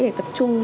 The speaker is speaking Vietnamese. để tập trung